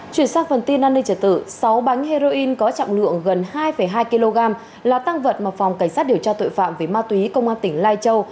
chuyển sang phần tin an ninh trả tự sáu bánh heroin có trọng lượng gần hai hai kg là tăng vật mà phòng cảnh sát điều tra tội phạm về ma túy công an tỉnh lai châu